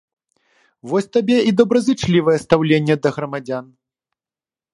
Вось табе і добразычлівае стаўленне да грамадзян.